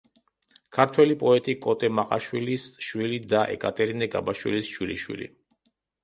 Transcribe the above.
ქართველი პოეტი კოტე მაყაშვილის შვილი და ეკატერინე გაბაშვილის შვილიშვილი.